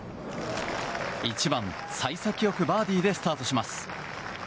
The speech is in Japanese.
１番、幸先良くバーディーでスタートします。